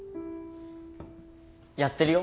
やってるよ。